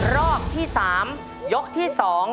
รอบที่๓ยกที่๒